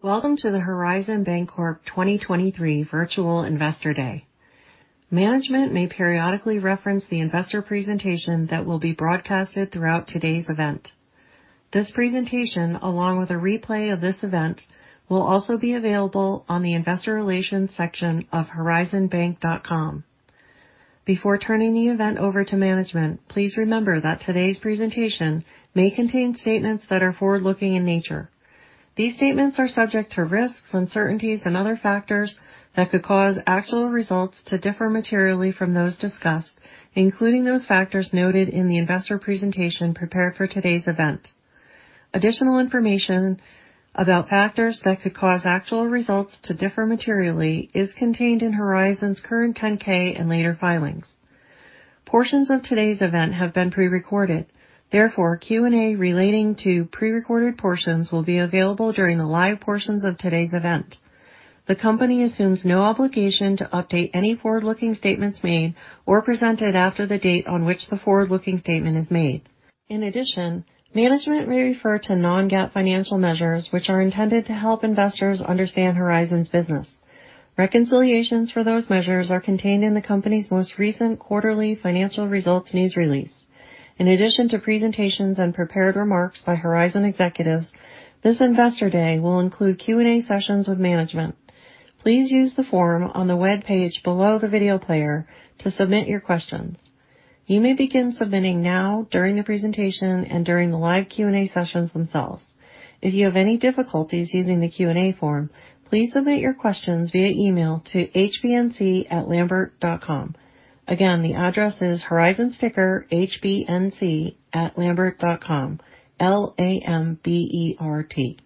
Welcome to the Horizon Bancorp 2023 Virtual Investor Day. Management may periodically reference the investor presentation that will be broadcasted throughout today's event. This presentation, along with a replay of this event, will also be available on the investor relations section of horizonbank.com. Before turning the event over to management, please remember that today's presentation may contain statements that are forward-looking in nature. These statements are subject to risks, uncertainties and other factors that could cause actual results to differ materially from those discussed, including those factors noted in the investor presentation prepared for today's event. Additional information about factors that could cause actual results to differ materially is contained in Horizon's current 10-K and later filings. Portions of today's event have been pre-recorded. Therefore, Q&A relating to pre-recorded portions will be available during the live portions of today's event. The company assumes no obligation to update any forward-looking statements made or presented after the date on which the forward-looking statement is made. In addition, management may refer to non-GAAP financial measures, which are intended to help investors understand Horizon's business. Reconciliations for those measures are contained in the company's most recent quarterly financial results news release. In addition to presentations and prepared remarks by Horizon executives, this Investor Day will include Q&A sessions with management. Please use the form on the web page below the video player to submit your questions. You may begin submitting now, during the presentation and during the live Q&A sessions themselves. If you have any difficulties using the Q&A form, please submit your questions via email to HBNC@lambert.com. Again, the address is Horizon ticker HBNC@lambert.com. L-A-M-B-E-R-T.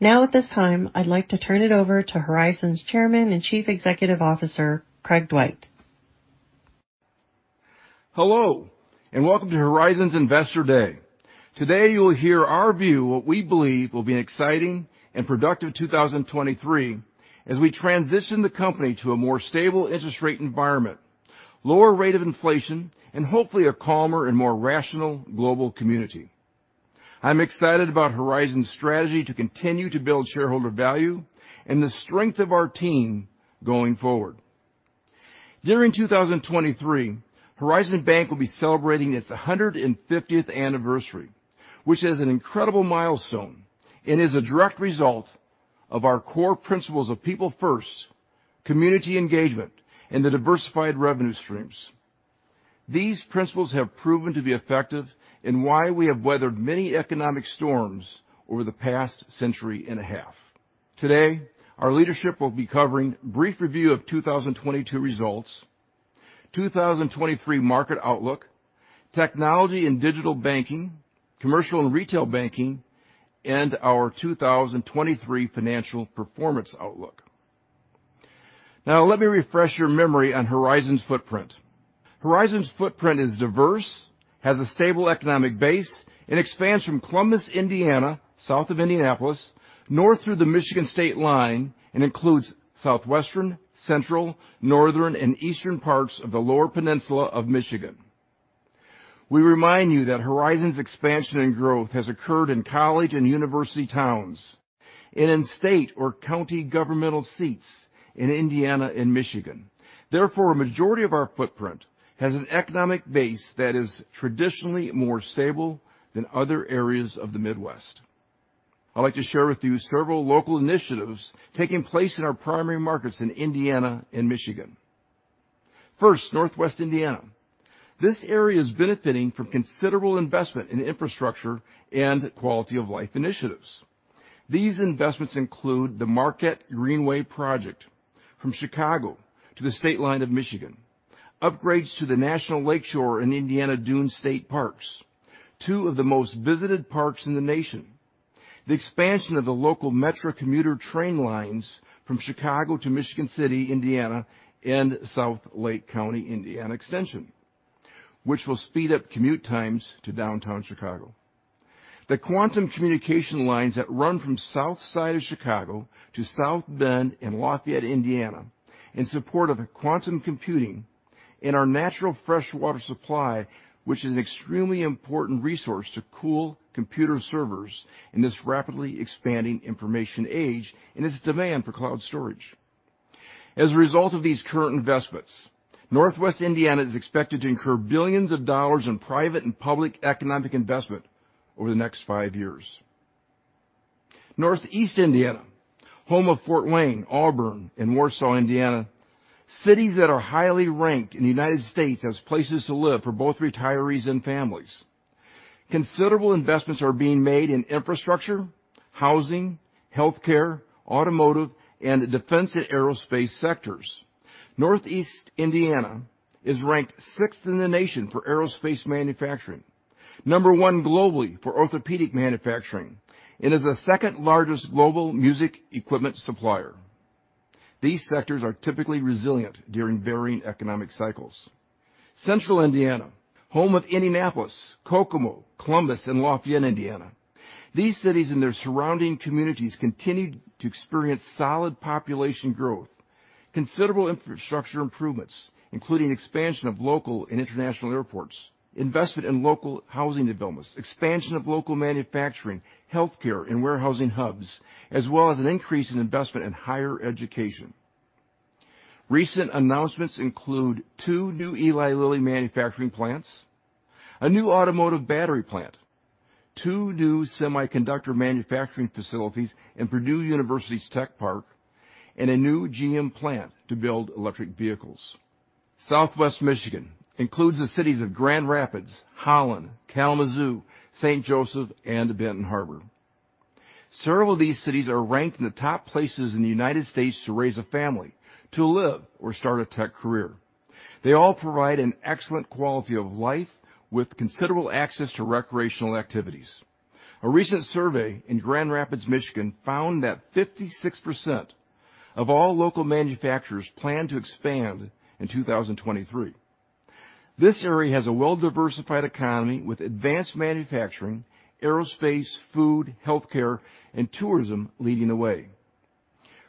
Now, at this time, I'd like to turn it over to Horizon's Chairman and Chief Executive Officer, Craig Dwight. Hello and welcome to Horizon's Investor Day. Today, you will hear our view of what we believe will be an exciting and productive 2023 as we transition the company to a more stable interest rate environment, lower rate of inflation and hopefully a calmer and more rational global community. I'm excited about Horizon's strategy to continue to build shareholder value and the strength of our team going forward. During 2023, Horizon Bank will be celebrating its 150th anniversary, which is an incredible milestone and is a direct result of our core principles of people first, community engagement and the diversified revenue streams. These principles have proven to be effective in why we have weathered many economic storms over the past century and a half. Today, our leadership will be covering brief review of 2022 results, 2023 market outlook, technology and digital banking, commercial and retail banking and our 2023 financial performance outlook. Let me refresh your memory on Horizon's footprint. Horizon's footprint is diverse, has a stable economic base and expands from Columbus, Indiana, south of Indianapolis, north through the Michigan state line and includes southwestern, central, northern and eastern parts of the Lower Peninsula of Michigan. We remind you that Horizon's expansion and growth has occurred in college and university towns and in state or county governmental seats in Indiana and Michigan. Therefore, a majority of our footprint has an economic base that is traditionally more stable than other areas of the Midwest. I'd like to share with you several local initiatives taking place in our primary markets in Indiana and Michigan. First, Northwest Indiana. This area is benefiting from considerable investment in infrastructure and quality-of-life initiatives. These investments include the Marquette Greenway Project from Chicago to the state line of Michigan. Upgrades to the National Lakeshore in Indiana Dunes state parks, two of the most visited parks in the nation. The expansion of the local metro commuter train lines from Chicago to Michigan City, Indiana, and South Lake County, Indiana, extension, which will speed up commute times to downtown Chicago. The quantum communication lines that run from South Side of Chicago to South Bend and Lafayette, Indiana, in support of quantum computing and our natural freshwater supply, which is an extremely important resource to cool computer servers in this rapidly expanding information age and its demand for cloud storage. As a result of these current investments, Northwest Indiana is expected to incur billions of dollars in private and public economic investment over the next five years. Northeast Indiana, home of Fort Wayne, Auburn, and Warsaw, Indiana, cities that are highly ranked in the United States as places to live for both retirees and families. Considerable investments are being made in infrastructure, housing, healthcare, automotive, defense, and aerospace sectors. Northeast Indiana is ranked sixth in the nation for aerospace manufacturing, number one globally for orthopedic manufacturing, and is the second-largest global music equipment supplier. These sectors are typically resilient during varying economic cycles. Central Indiana, home of Indianapolis, Kokomo, Columbus, and Lafayette, Indiana. These cities and their surrounding communities continue to experience solid population growth. Considerable infrastructure improvements, including expansion of local and international airports, investment in local housing developments, expansion of local manufacturing, healthcare and warehousing hubs, as well as an increase in investment in higher education. Recent announcements include two new Eli Lilly manufacturing plants, a new automotive battery plant, two new semiconductor manufacturing facilities in Purdue University's Tech Park, and a new GM plant to build electric vehicles. Southwest Michigan includes the cities of Grand Rapids, Holland, Kalamazoo, St. Joseph, and Benton Harbor. Several of these cities are ranked in the top places in the United States to raise a family, to live or start a tech career. They all provide an excellent quality of life with considerable access to recreational activities. A recent survey in Grand Rapids, Michigan, found that 56% of all local manufacturers plan to expand in 2023. This area has a well-diversified economy with advanced manufacturing, aerospace, food, healthcare, and tourism leading the way.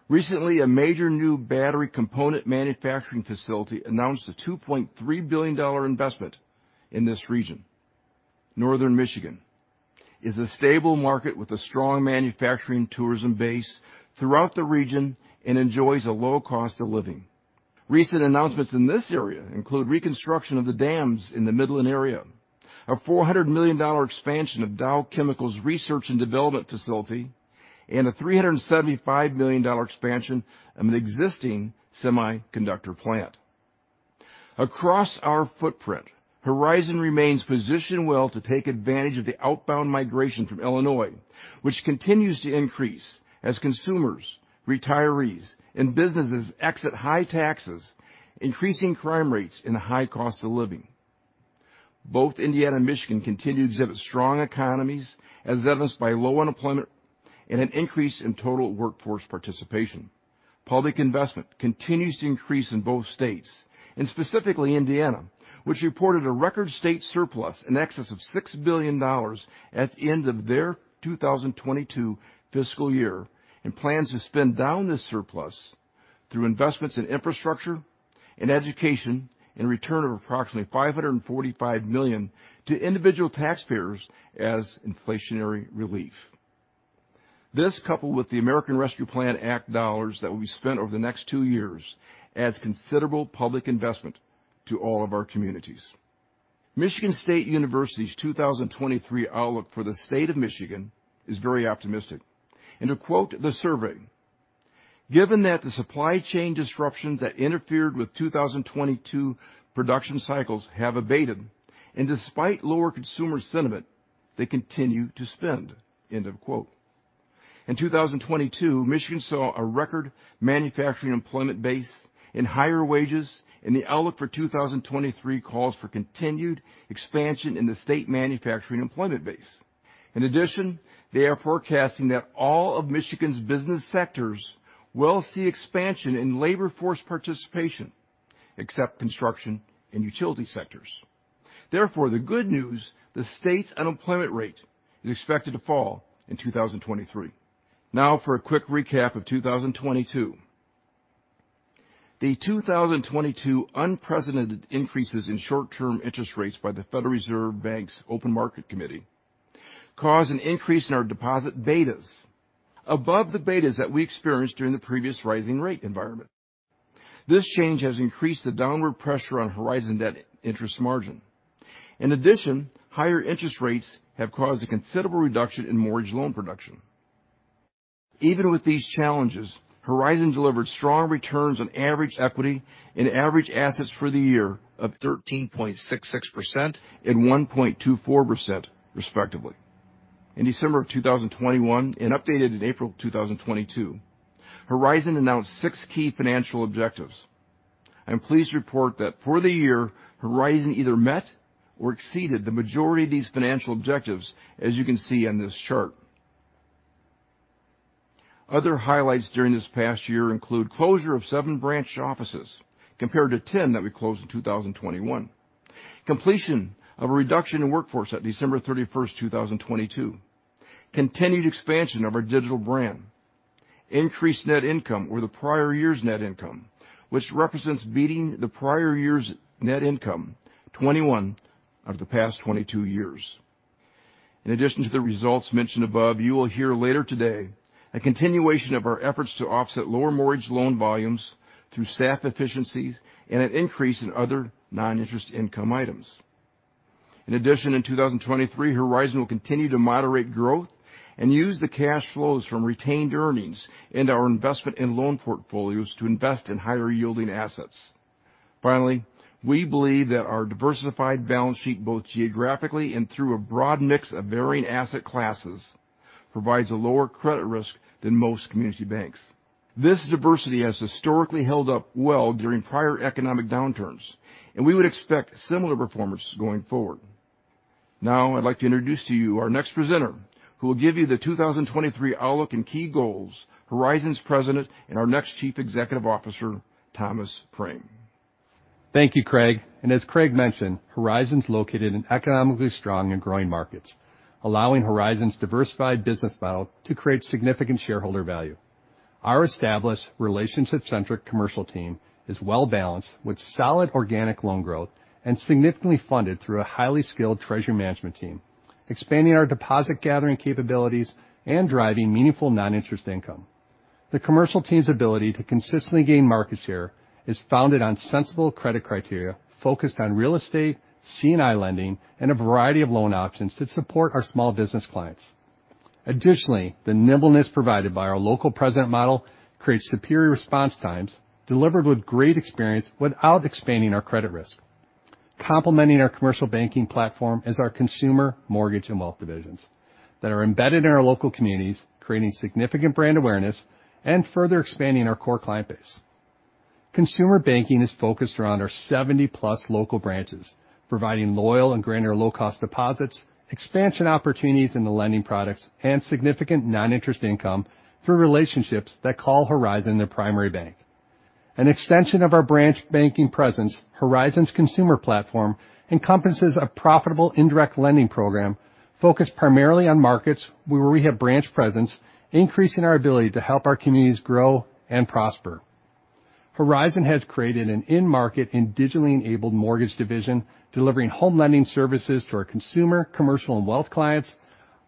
Recently, a major new battery component manufacturing facility announced a $2.3 billion investment in this region. Northern Michigan is a stable market with a strong manufacturing tourism base throughout the region and enjoys a low cost of living. Recent announcements in this area include reconstruction of the dams in the Midland area, a $400 million expansion of Dow Chemical's research and development facility, and a $375 million expansion of an existing semiconductor plant. Across our footprint, Horizon remains positioned well to take advantage of the outbound migration from Illinois, which continues to increase as consumers, retirees, and businesses exit high taxes, increasing crime rates and a high cost of living. Both Indiana and Michigan continue to exhibit strong economies, as evidenced by low unemployment and an increase in total workforce participation. Public investment continues to increase in both states and specifically Indiana, which reported a record state surplus in excess of $6 billion at the end of their 2022 fiscal year, and plans to spend down this surplus through investments in infrastructure and education in return of approximately $545 million to individual taxpayers as inflationary relief. This, coupled with the American Rescue Plan Act dollars that will be spent over the next two years, adds considerable public investment to all of our communities. Michigan State University's 2023 outlook for the state of Michigan is very optimistic. To quote the survey, "Given that the supply chain disruptions that interfered with 2022 production cycles have abated and despite lower consumer sentiment, they continue to spend." End of quote. In 2022, Michigan saw a record manufacturing employment base and higher wages, and the outlook for 2023 calls for continued expansion in the state manufacturing employment base. They are forecasting that all of Michigan's business sectors will see expansion in labor force participation except construction and utility sectors. The good news, the state's unemployment rate is expected to fall in 2023. For a quick recap of 2022. The 2022 unprecedented increases in short-term interest rates by the Federal Open Market Committee caused an increase in our deposit betas above the betas that we experienced during the previous rising rate environment. This change has increased the downward pressure on Horizon debt interest margin. In addition, higher interest rates have caused a considerable reduction in mortgage loan production. Even with these challenges, Horizon delivered strong returns on average equity and average assets for the year of 13.66% and 1.24%, respectively. In December of 2021, and updated in April 2022, Horizon announced six key financial objectives. I'm pleased to report that for the year, Horizon either met or exceeded the majority of these financial objectives as you can see on this chart. Other highlights during this past year include closure of seven branch offices compared to 10 that we closed in 2021. Completion of a reduction in workforce at December 31st, 2022. Continued expansion of our digital brand. Increased net income over the prior year's net income, which represents beating the prior year's net income 21 of the past 22 years. In addition to the results mentioned above, you will hear later today a continuation of our efforts to offset lower mortgage loan volumes through staff efficiencies and an increase in other non-interest income items. In 2023, Horizon will continue to moderate growth and use the cash flows from retained earnings into our investment in loan portfolios to invest in higher-yielding assets. Finally, we believe that our diversified balance sheet, both geographically and through a broad mix of varying asset classes, provides a lower credit risk than most community banks. This diversity has historically held up well during prior economic downturns, and we would expect similar performances going forward. Now, I'd like to introduce to you our next presenter, who will give you the 2023 outlook and key goals, Horizon's President and our next Chief Executive Officer, Thomas Prame. Thank you, Craig. As Craig mentioned, Horizon's located in economically strong and growing markets, allowing Horizon's diversified business model to create significant shareholder value. Our established relationship-centric commercial team is well-balanced with solid organic loan growth and significantly funded through a highly skilled treasury management team, expanding our deposit gathering capabilities and driving meaningful non-interest income. The commercial team's ability to consistently gain market share is founded on sensible credit criteria focused on real estate, C&I lending, and a variety of loan options to support our small business clients. Additionally, the nimbleness provided by our local presence model creates superior response times delivered with great experience without expanding our credit risk. Complementing our commercial banking platform is our consumer mortgage and wealth divisions that are embedded in our local communities, creating significant brand awareness and further expanding our core client base. Consumer banking is focused around our 70-plus local branches, providing loyal and granular low-cost deposits, expansion opportunities in the lending products, and significant non-interest income through relationships that call Horizon their primary bank. An extension of our branch banking presence, Horizon's consumer platform encompasses a profitable indirect lending program focused primarily on markets where we have branch presence, increasing our ability to help our communities grow and prosper. Horizon has created an in-market and digitally-enabled mortgage division, delivering home lending services to our consumer, commercial, and wealth clients.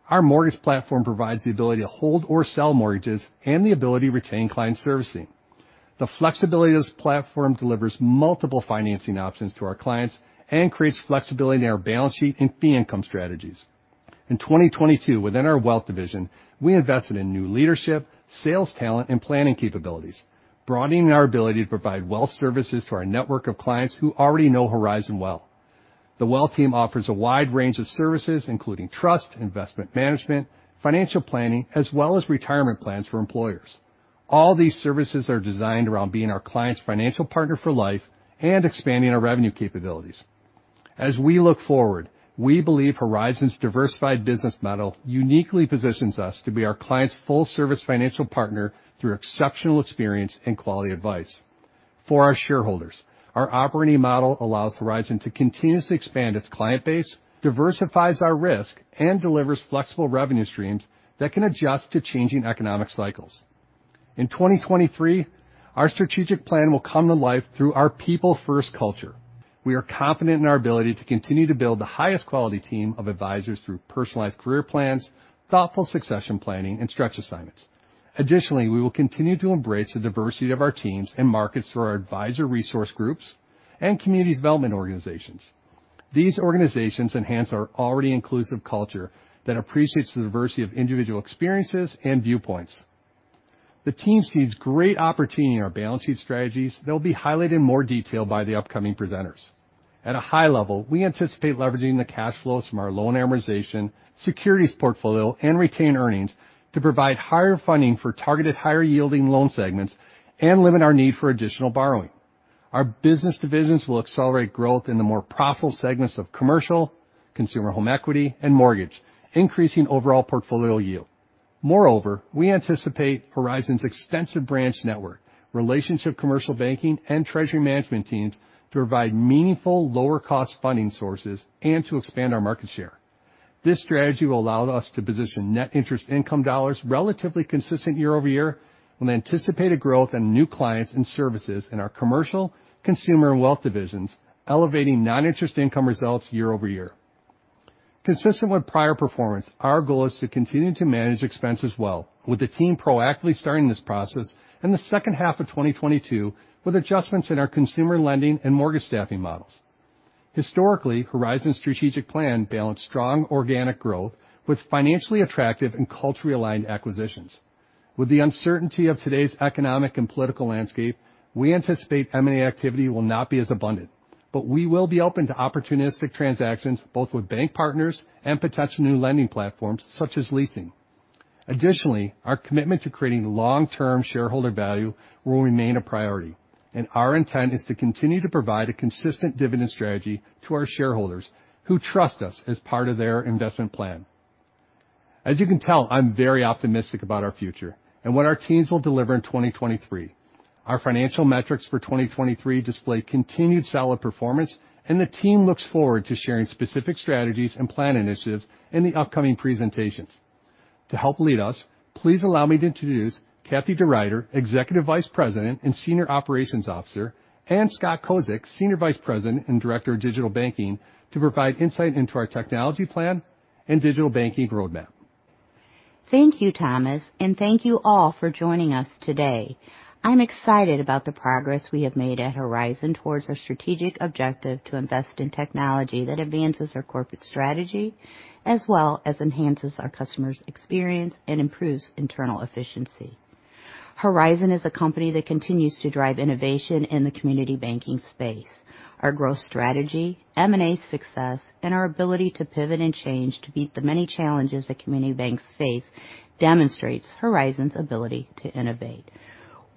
Our mortgage platform provides the ability to hold or sell mortgages and the ability to retain client servicing. The flexibility of this platform delivers multiple financing options to our clients and creates flexibility in our balance sheet and fee income strategies. In 2022, within our wealth division, we invested in new leadership, sales talent, and planning capabilities, broadening our ability to provide wealth services to our network of clients who already know Horizon well. The wealth team offers a wide range of services, including trust, investment management, financial planning, as well as retirement plans for employers. All these services are designed around being our clients' financial partner for life and expanding our revenue capabilities. As we look forward, we believe Horizon's diversified business model uniquely positions us to be our clients' full-service financial partner through exceptional experience and quality advice. For our shareholders, our operating model allows Horizon to continuously expand its client base, diversifies our risk, and delivers flexible revenue streams that can adjust to changing economic cycles. In 2023, our strategic plan will come to life through our people-first culture. We are confident in our ability to continue to build the highest quality team of advisors through personalized career plans, thoughtful succession planning, and stretch assignments. Additionally, we will continue to embrace the diversity of our teams and markets through our advisor resource groups and community development organizations. These organizations enhance our already inclusive culture that appreciates the diversity of individual experiences and viewpoints. The team sees great opportunity in our balance sheet strategies that will be highlighted in more detail by the upcoming presenters. At a high level, we anticipate leveraging the cash flows from our loan amortization, securities portfolio, and retained earnings to provide higher funding for targeted higher-yielding loan segments and limit our need for additional borrowing. Our business divisions will accelerate growth in the more profitable segments of commercial, consumer home equity, and mortgage, increasing overall portfolio yield. Moreover, we anticipate Horizon's extensive branch network, relationship commercial banking, and treasury management teams to provide meaningful lower-cost funding sources and to expand our market share. This strategy will allow us to position net interest income dollars relatively consistent year-over-year and anticipate a growth in new clients and services in our commercial, consumer, and wealth divisions, elevating non-interest income results year-over-year. Consistent with prior performance, our goal is to continue to manage expenses well, with the team proactively starting this process in the second half of 2022, with adjustments in our consumer lending and mortgage staffing models. Historically, Horizon's strategic plan balanced strong organic growth with financially attractive and culturally aligned acquisitions. With the uncertainty of today's economic and political landscape, we anticipate M&A activity will not be as abundant, but we will be open to opportunistic transactions, both with bank partners and potential new lending platforms, such as leasing. Additionally, our commitment to creating long-term shareholder value will remain a priority, and our intent is to continue to provide a consistent dividend strategy to our shareholders who trust us as part of their investment plan. As you can tell, I'm very optimistic about our future and what our teams will deliver in 2023. Our financial metrics for 2023 display continued solid performance, and the team looks forward to sharing specific strategies and plan initiatives in the upcoming presentations. To help lead us, please allow me to introduce Kathie DeRuiter, Executive Vice President and Senior Operations Officer, and Scott Kosik, Senior Vice President and Director of Digital Banking, to provide insight into our technology plan and digital banking roadmap. Thank you, Thomas. Thank you all for joining us today. I'm excited about the progress we have made at Horizon towards our strategic objective to invest in technology that advances our corporate strategy as well as enhances our customers' experience and improves internal efficiency. Horizon is a company that continues to drive innovation in the community banking space. Our growth strategy, M&A success, and our ability to pivot and change to beat the many challenges that community banks face demonstrates Horizon's ability to innovate.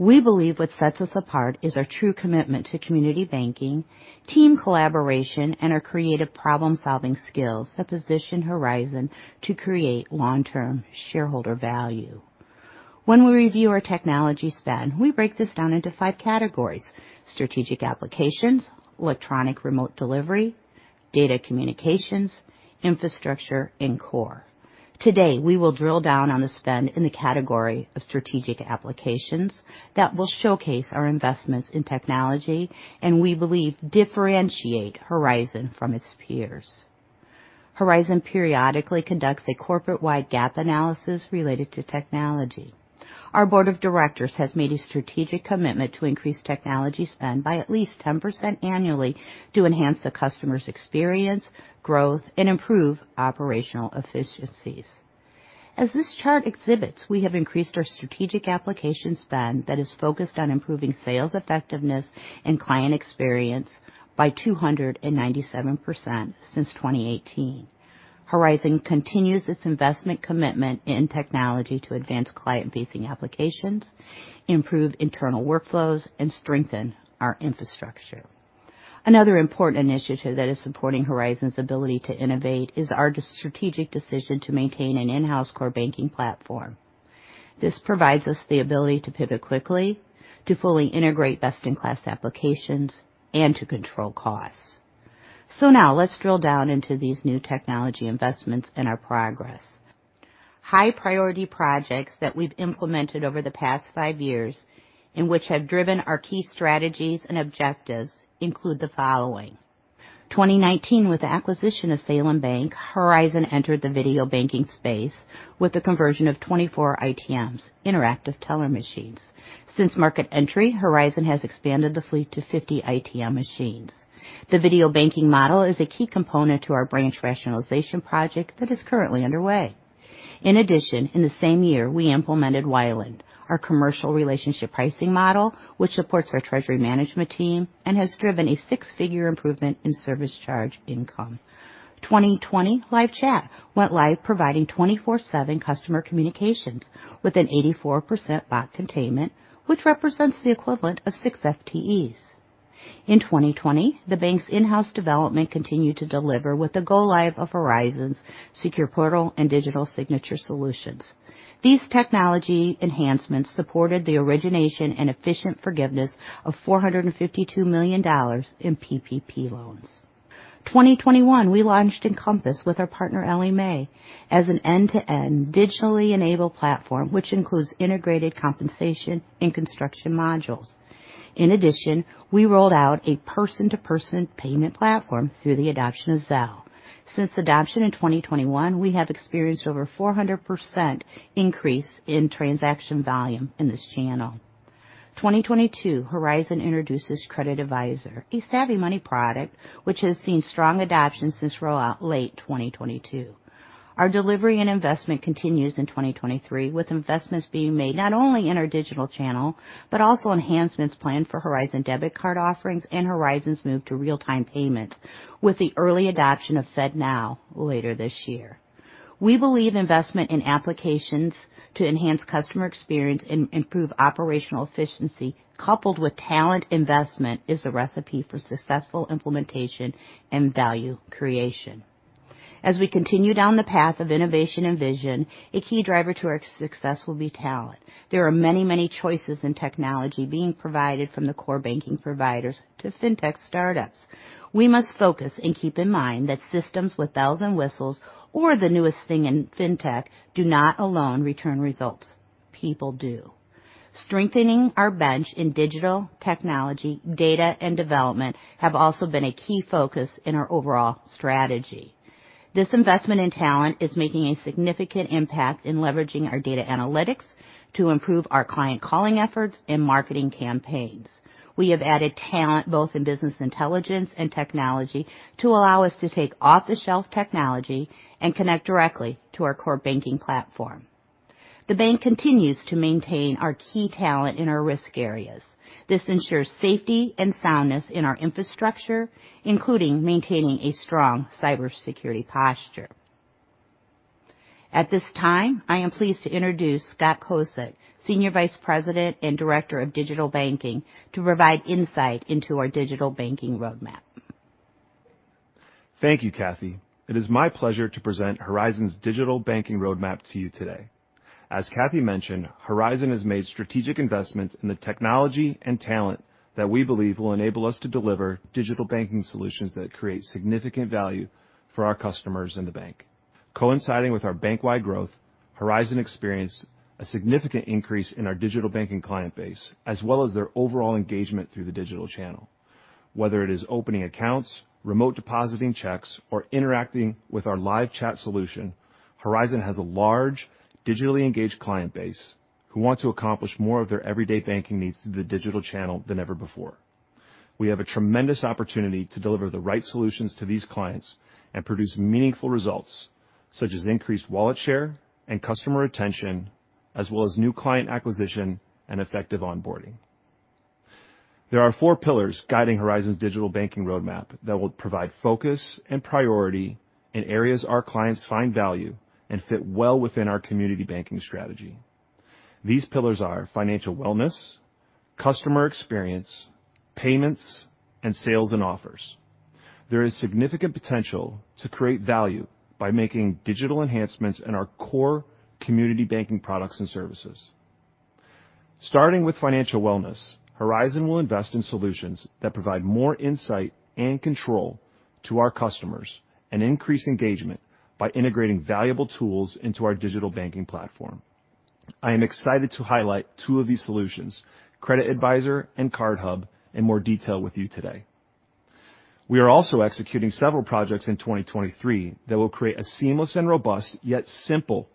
We believe what sets us apart is our true commitment to community banking, team collaboration, and our creative problem-solving skills that position Horizon to create long-term shareholder value. When we review our technology spend, we break this down into five categories: strategic applications, electronic remote delivery, data communications, infrastructure and core. Today, we will drill down on the spend in the category of strategic applications that will showcase our investments in technology, and we believe differentiate Horizon from its peers. Horizon periodically conducts a corporate-wide gap analysis related to technology. Our board of directors has made a strategic commitment to increase technology spend by at least 10% annually to enhance the customer's experience, growth, and improve operational efficiencies. As this chart exhibits, we have increased our strategic application spend that is focused on improving sales effectiveness and client experience by 297% since 2018. Horizon continues its investment commitment in technology to advance client-facing applications, improve internal workflows and strengthen our infrastructure. Another important initiative that is supporting Horizon's ability to innovate is our strategic decision to maintain an in-house core banking platform. This provides us the ability to pivot quickly, to fully integrate best-in-class applications, and to control costs. Now let's drill down into these new technology investments and our progress. High-priority projects that we've implemented over the past five years and which have driven our key strategies and objectives include the following. 2019, with the acquisition of Salin Bank, Horizon entered the video banking space with the conversion of 24 ITMs, interactive teller machines. Since market entry, Horizon has expanded the fleet to 50 ITM machines. The video banking model is a key component to our branch rationalization project that is currently underway. In addition, in the same year, we implemented Weiland, our commercial relationship pricing model, which supports our treasury management team and has driven a six-figure improvement in service charge income. 2020 live chat went live, providing 24/7 customer communications with an 84% bot containment, which represents the equivalent of 6 FTEs. In 2020, the bank's in-house development continued to deliver with the go live of Horizon's secure portal and digital signature solutions. These technology enhancements supported the origination and efficient forgiveness of $452 million in PPP loans. 2021, we launched Encompass with our partner Ellie Mae as an end-to-end digitally enabled platform, which includes integrated compensation and construction modules. In addition, we rolled out a person-to-person payment platform through the adoption of Zelle. Since adoption in 2021, we have experienced over 400% increase in transaction volume in this channel. 2022, Horizon introduces Credit Advisor, a SavvyMoney product which has seen strong adoption since rollout late 2022. Our delivery and investment continues in 2023, with investments being made not only in our digital channel, but also enhancements planned for Horizon debit card offerings and Horizon's move to real-time payments with the early adoption of FedNow later this year. We believe investment in applications to enhance customer experience and improve operational efficiency coupled with talent investment is a recipe for successful implementation and value creation. We continue down the path of innovation and vision, a key driver to our success will be talent. There are many choices in technology being provided from the core banking providers to fintech startups. We must focus and keep in mind that systems with bells and whistles or the newest thing in fintech do not alone return results, people do. Strengthening our bench in digital technology, data and development have also been a key focus in our overall strategy. This investment in talent is making a significant impact in leveraging our data analytics to improve our client calling efforts and marketing campaigns. We have added talent both in business intelligence and technology to allow us to take off-the-shelf technology and connect directly to our core banking platform. The bank continues to maintain our key talent in our risk areas. This ensures safety and soundness in our infrastructure, including maintaining a strong cybersecurity posture. At this time, I am pleased to introduce Scott Kosik, Senior Vice President and Director of Digital Banking, to provide insight into our digital banking roadmap. Thank you, Kathie. It is my pleasure to present Horizon's digital banking roadmap to you today. As Cathy mentioned, Horizon has made strategic investments in the technology and talent that we believe will enable us to deliver digital banking solutions that create significant value for our customers in the bank. Coinciding with our bank-wide growth, Horizon experienced a significant increase in our digital banking client base as well as their overall engagement through the digital channel. Whether it is opening accounts, remote depositing checks or interacting with our live chat solution, Horizon has a large digitally engaged client base who want to accomplish more of their everyday banking needs through the digital channel than ever before. We have a tremendous opportunity to deliver the right solutions to these clients and produce meaningful results such as increased wallet share and customer retention, as well as new client acquisition and effective onboarding. There are four pillars guiding Horizon's digital banking roadmap that will provide focus and priority in areas our clients find value and fit well within our community banking strategy. These pillars are financial wellness, Customer experience, payments, and sales and offers. There is significant potential to create value by making digital enhancements in our core community banking products and services. Starting with financial wellness, Horizon will invest in solutions that provide more insight and control to our customers and increase engagement by integrating valuable tools into our digital banking platform. I am excited to highlight two of these solutions, Credit Sense and Card Hub, in more detail with you today. We are also executing several projects in 2023 that will create a seamless and robust, yet simple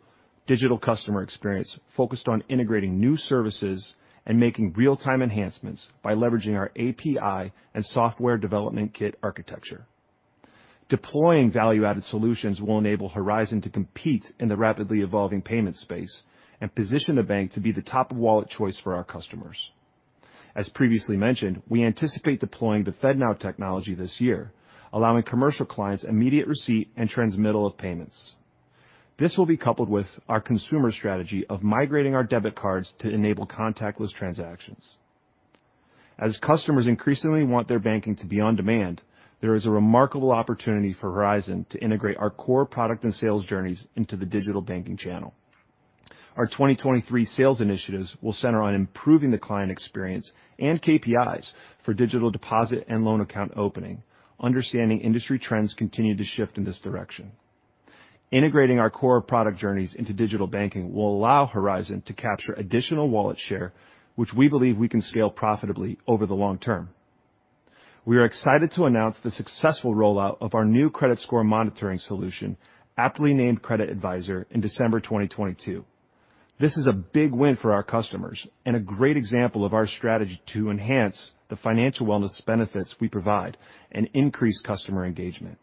digital customer experience focused on integrating new services and making real-time enhancements by leveraging our API and software development kit architecture. Deploying value-added solutions will enable Horizon to compete in the rapidly evolving payment space and position the bank to be the top wallet choice for our customers. As previously mentioned, we anticipate deploying the FedNow technology this year, allowing commercial clients immediate receipt and transmittal of payments. This will be coupled with our consumer strategy of migrating our debit cards to enable contactless transactions. As customers increasingly want their banking to be on demand, there is a remarkable opportunity for Horizon to integrate our core product and sales journeys into the digital banking channel. Our 2023 sales initiatives will center on improving the client experience and KPIs for digital deposit and loan account opening. Understanding industry trends continue to shift in this direction. Integrating our core product journeys into digital banking will allow Horizon to capture additional wallet share, which we believe we can scale profitably over the long term. We are excited to announce the successful rollout of our new credit score monitoring solution, aptly named Credit Sense, in December 2022. This is a big win for our customers and a great example of our strategy to enhance the financial wellness benefits we provide and increase customer engagement.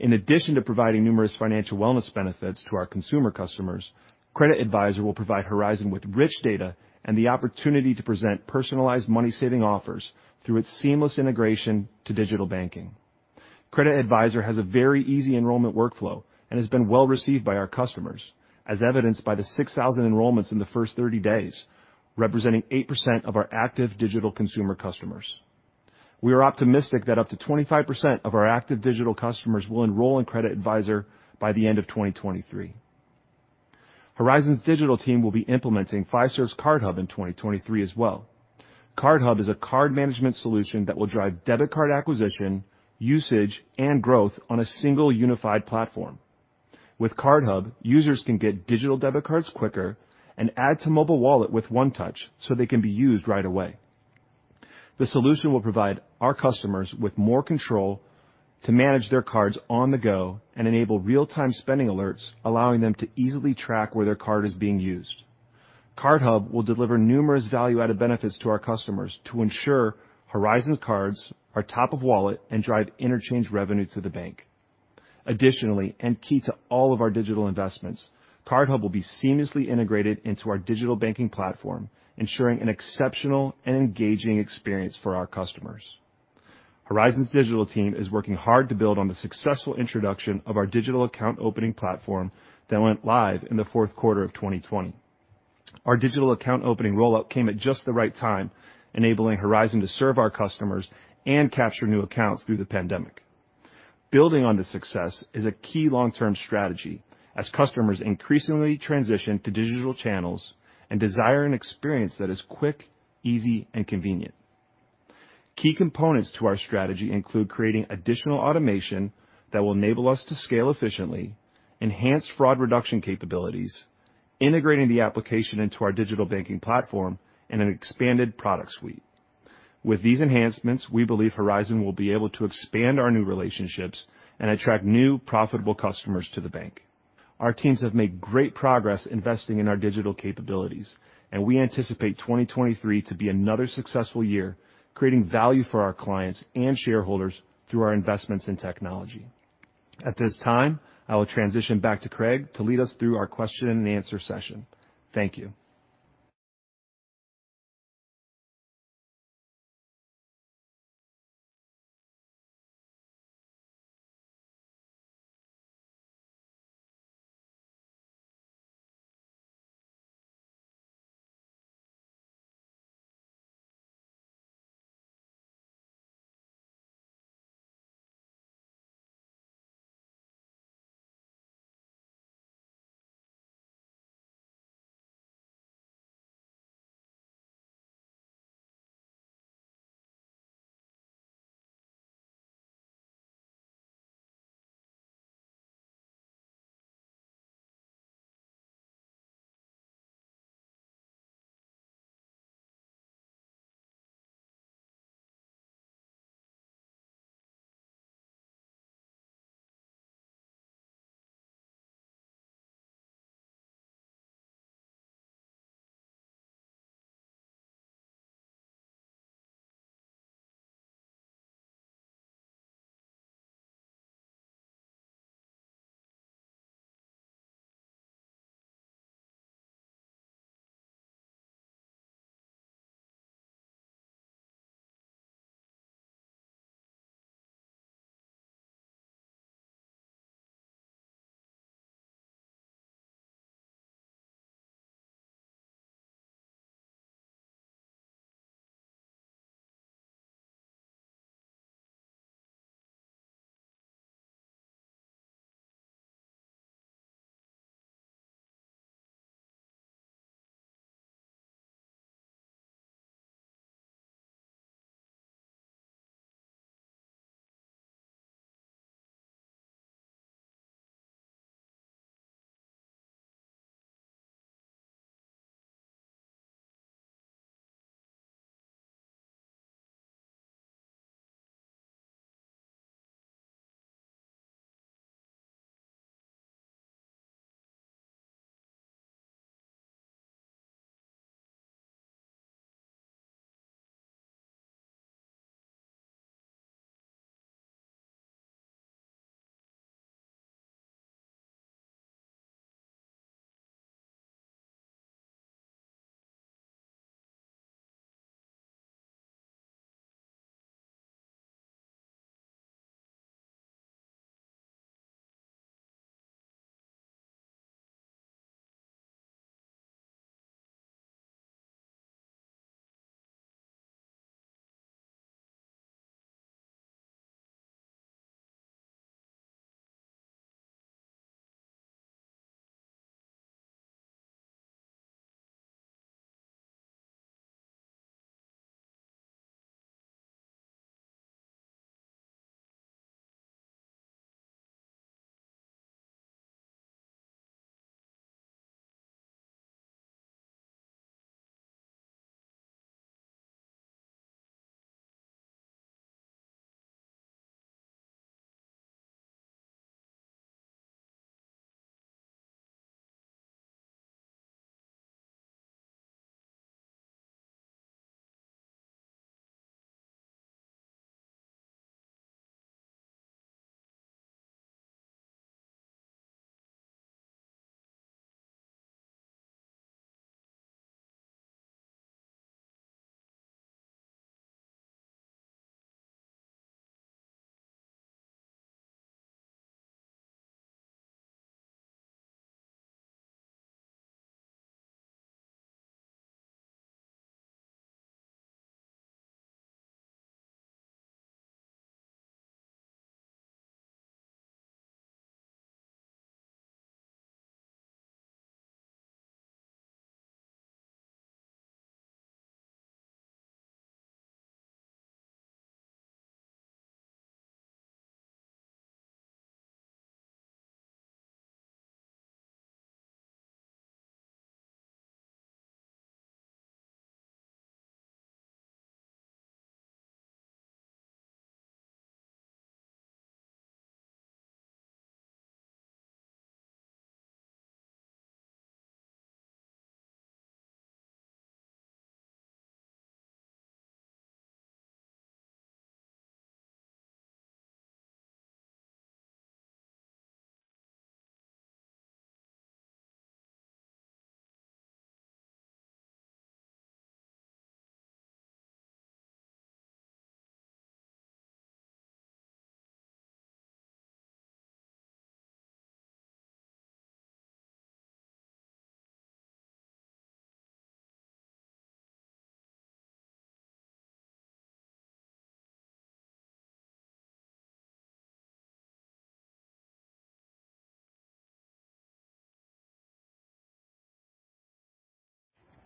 In addition to providing numerous financial wellness benefits to our consumer customers, Credit Sense will provide Horizon with rich data and the opportunity to present personalized money-saving offers through its seamless integration to digital banking. Credit Sense has a very easy enrollment workflow and has been well-received by our customers, as evidenced by the 6,000 enrollments in the first 30 days, representing 8% of our active digital consumer customers. We are optimistic that up to 25% of our active digital customers will enroll in Credit Sense by the end of 2023. Horizon's digital team will be implementing Fiserv's Card Hub in 2023 as well. Card Hub is a card management solution that will drive debit card acquisition, usage, and growth on a single unified platform. With Card Hub, users can get digital debit cards quicker and add to mobile wallet with one touch so they can be used right away. The solution will provide our customers with more control to manage their cards on the go and enable real-time spending alerts, allowing them to easily track where their card is being used. Card Hub will deliver numerous value-added benefits to our customers to ensure Horizon cards are top of wallet and drive interchange revenue to the bank. Additionally, and key to all of our digital investments, Card Hub will be seamlessly integrated into our digital banking platform, ensuring an exceptional and engaging experience for our customers. Horizon's digital team is working hard to build on the successful introduction of our digital account opening platform that went live in the Q4 of 2020. Our digital account opening rollout came at just the right time, enabling Horizon to serve our customers and capture new accounts through the pandemic. Building on this success is a key long-term strategy as customers increasingly transition to digital channels and desire an experience that is quick, easy, and convenient. Key components to our strategy include creating additional automation that will enable us to scale efficiently, enhance fraud reduction capabilities, integrating the application into our digital banking platform, and an expanded product suite. With these enhancements, we believe Horizon will be able to expand our new relationships and attract new profitable customers to the bank. Our teams have made great progress investing in our digital capabilities. We anticipate 2023 to be another successful year, creating value for our clients and shareholders through our investments in technology. At this time, I will transition back to Craig to lead us through our question and answer session. Thank you.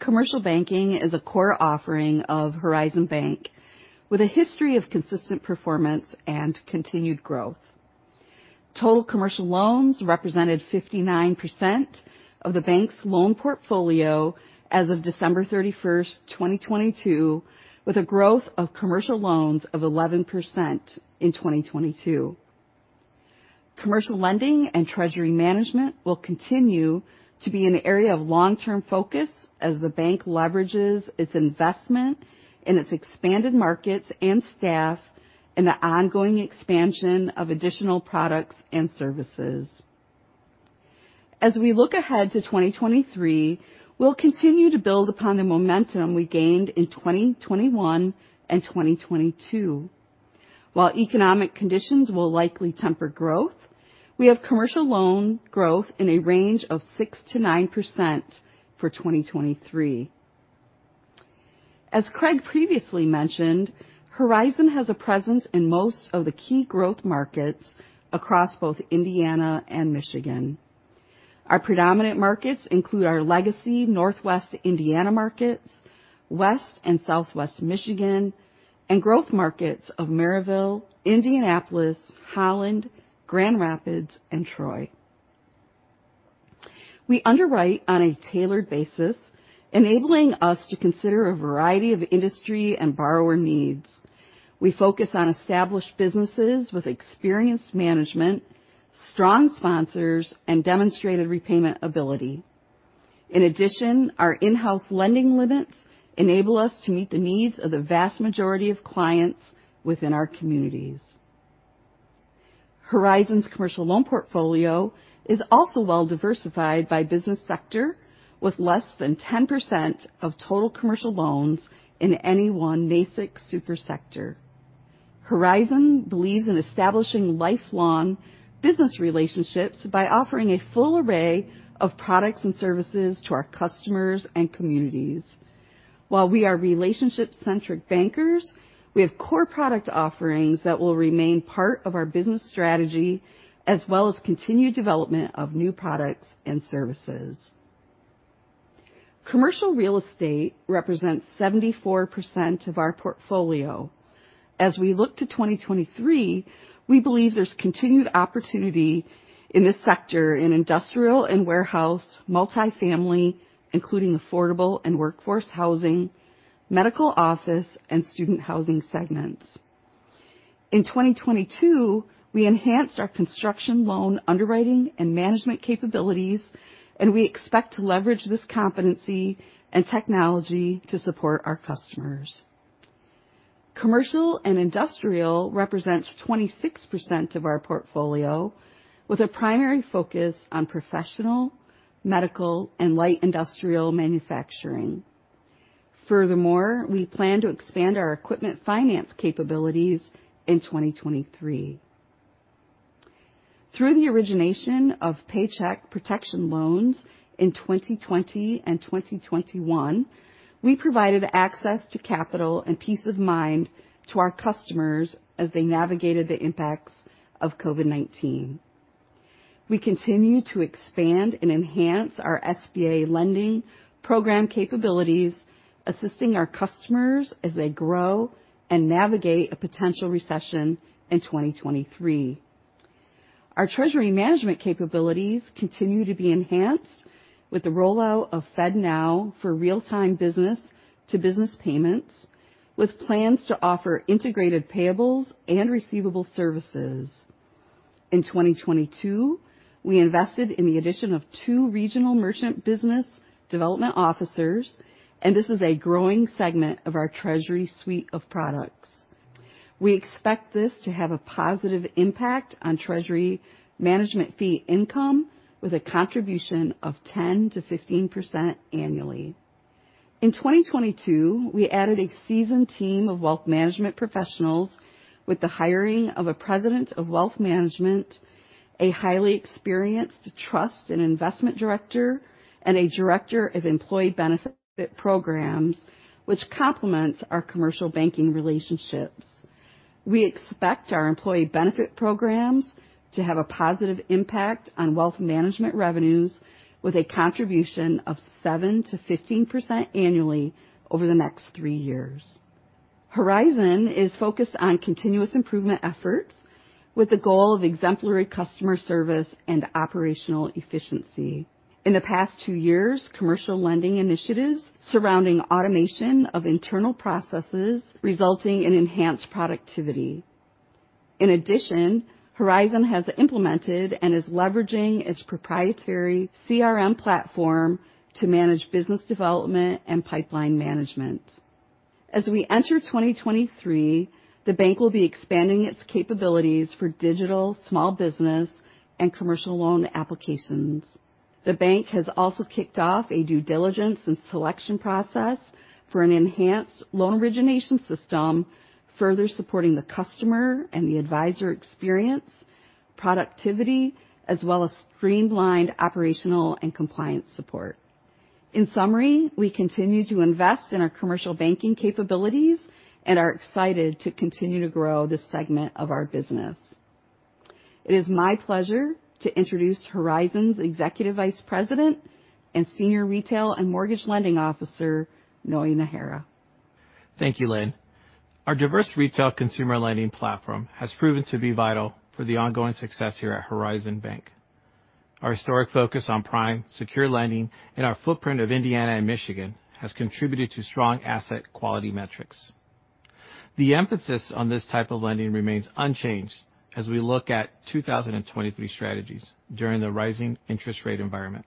Commercial banking is a core offering of Horizon Bank with a history of consistent performance and continued growth. Total commercial loans represented 59% of the bank's loan portfolio as of December 31, 2022, with a growth of commercial loans of 11% in 2022. Commercial lending and treasury management will continue to be an area of long-term focus as the bank leverages its investment in its expanded markets and staff in the ongoing expansion of additional products and services. As we look ahead to 2023, we'll continue to build upon the momentum we gained in 2021 and 2022. While economic conditions will likely temper growth, we have commercial loan growth in a range of 6%-9% for 2023. As Craig previously mentioned, Horizon has a presence in most of the key growth markets across both Indiana and Michigan. Our predominant markets include our legacy Northwest Indiana markets, West and Southwest Michigan, and growth markets of Merrillville, Indianapolis, Holland, Grand Rapids, and Troy. We underwrite on a tailored basis, enabling us to consider a variety of industry and borrower needs. We focus on established businesses with experienced management, strong sponsors, and demonstrated repayment ability. In addition, our in-house lending limits enable us to meet the needs of the vast majority of clients within our communities. Horizon's commercial loan portfolio is also well-diversified by business sector with less than 10% of total commercial loans in any one NAICS super sector. Horizon believes in establishing lifelong business relationships by offering a full array of products and services to our customers and communities. While we are relationship-centric bankers, we have core product offerings that will remain part of our business strategy, as well as continued development of new products and services. Commercial real estate represents 74% of our portfolio. As we look to 2023, we believe there's continued opportunity in this sector in industrial and warehouse, multi-family, including affordable and workforce housing, medical office, and student housing segments. In 2022, we enhanced our construction loan underwriting and management capabilities, and we expect to leverage this competency and technology to support our customers. Commercial and industrial represents 26% of our portfolio, with a primary focus on professional, medical, and light industrial manufacturing. Furthermore, we plan to expand our equipment finance capabilities in 2023. Through the origination of Paycheck Protection loans in 2020 and 2021, we provided access to capital and peace of mind to our customers as they navigated the impacts of COVID-19. We continue to expand and enhance our SBA lending program capabilities, assisting our customers as they grow and navigate a potential recession in 2023. Our treasury management capabilities continue to be enhanced with the rollout of FedNow for real-time business to business payments, with plans to offer integrated payables and receivable services. In 2022, we invested in the addition of two regional merchant business development officers, and this is a growing segment of our treasury suite of products. We expect this to have a positive impact on treasury management fee income with a contribution of 10%-15% annually. In 2022, we added a seasoned team of wealth management professionals with the hiring of a president of wealth management, a highly experienced trust and investment director, and a director of employee benefit programs, which complements our commercial banking relationships. We expect our employee benefit programs to have a positive impact on wealth management revenues with a contribution of 7%-15% annually over the next three years. Horizon is focused on continuous improvement efforts with the goal of exemplary customer service and operational efficiency. In the past two years, commercial lending initiatives surrounding automation of internal processes resulting in enhanced productivity. In addition, Horizon has implemented and is leveraging its proprietary CRM platform to manage business development and pipeline management. As we enter 2023, the bank will be expanding its capabilities for digital small business and commercial loan applications. The bank has also kicked off a due diligence and selection process for an enhanced loan origination system, further supporting the customer and the advisor experience, productivity, as well as streamlined operational and compliance support. In summary, we continue to invest in our commercial banking capabilities and are excited to continue to grow this segment of our business. It is my pleasure to introduce Horizon's Executive Vice President and Senior Retail and Mortgage Lending Officer, Noe Najera. Thank you, Lynn. Our diverse retail consumer lending platform has proven to be vital for the ongoing success here at Horizon Bank. Our historic focus on prime, secure lending in our footprint of Indiana and Michigan has contributed to strong asset quality metrics. The emphasis on this type of lending remains unchanged as we look at 2023 strategies during the rising interest rate environment.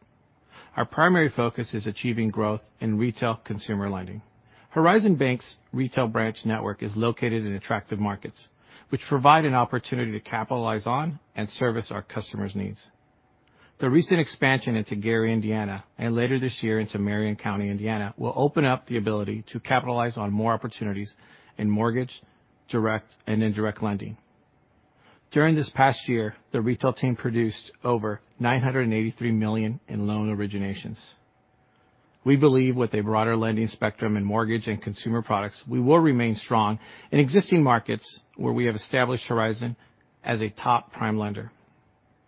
Our primary focus is achieving growth in retail consumer lending. Horizon Bank's retail branch network is located in attractive markets, which provide an opportunity to capitalize on and service our customers' needs. The recent expansion into Gary, Indiana, and later this year into Marion County, Indiana, will open up the ability to capitalize on more opportunities in mortgage, direct, and indirect lending. During this past year, the retail team produced over $983 million in loan originations. We believe with a broader lending spectrum in mortgage and consumer products, we will remain strong in existing markets where we have established Horizon as a top prime lender.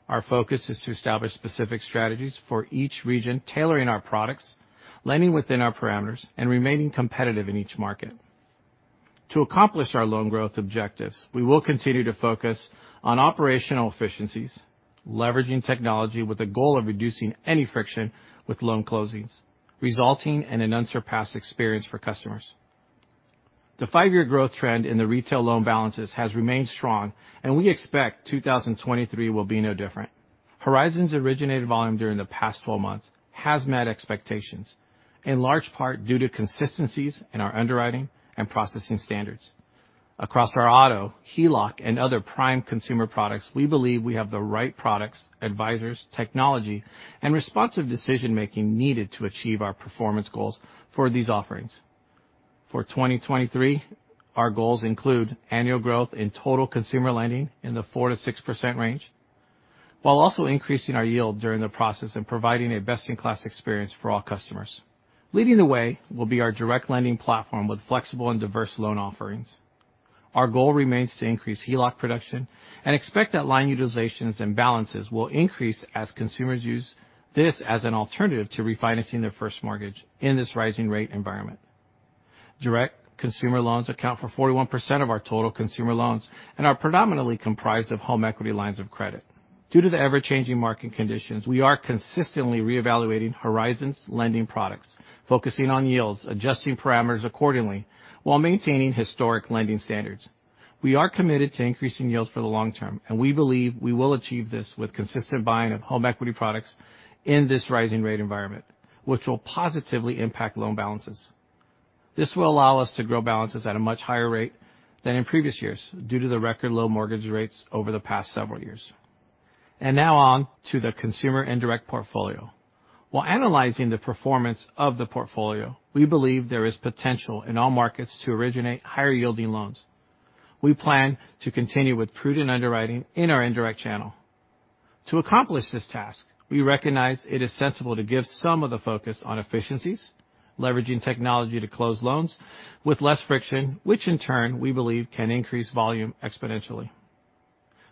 Our focus is to establish specific strategies for each region, tailoring our products, lending within our parameters, and remaining competitive in each market. To accomplish our loan growth objectives, we will continue to focus on operational efficiencies, leveraging technology with a goal of reducing any friction with loan closings, resulting in an unsurpassed experience for customers. The five-year growth trend in the retail loan balances has remained strong, and we expect 2023 will be no different. Horizon's originated volume during the past 12 months has met expectations, in large part due to consistencies in our underwriting and processing standards. Across our auto, HELOC, and other prime consumer products, we believe we have the right products, advisors, technology, and responsive decision-making needed to achieve our performance goals for these offerings. For 2023, our goals include annual growth in total consumer lending in the 4%-6% range. While also increasing our yield during the process and providing a best-in-class experience for all customers. Leading the way will be our direct lending platform with flexible and diverse loan offerings. Our goal remains to increase HELOC production and expect that line utilizations and balances will increase as consumers use this as an alternative to refinancing their first mortgage in this rising rate environment. Direct consumer loans account for 41% of our total consumer loans and are predominantly comprised of home equity lines of credit. Due to the ever-changing market conditions, we are consistently reevaluating Horizon's lending products, focusing on yields, adjusting parameters accordingly, while maintaining historic lending standards. We are committed to increasing yields for the long term. We believe we will achieve this with consistent buying of home equity products in this rising rate environment, which will positively impact loan balances. This will allow us to grow balances at a much higher rate than in previous years due to the record low mortgage rates over the past several years. Now on to the consumer indirect portfolio. While analyzing the performance of the portfolio, we believe there is potential in all markets to originate higher-yielding loans. We plan to continue with prudent underwriting in our indirect channel. To accomplish this task, we recognize it is sensible to give some of the focus on efficiencies, leveraging technology to close loans with less friction, which in turn, we believe, can increase volume exponentially.